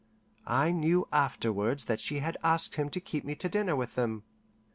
I knew afterwards that she had asked him to keep me to dinner with them.